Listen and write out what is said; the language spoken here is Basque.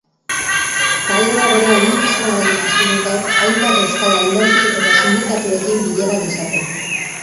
Taldea bere eginkizunarekin hasi du gaur hainbat euskal alderdi eta sindikatuekin bilerak izaten.